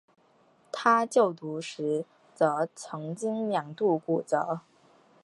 他就读时则曾经两度骨折。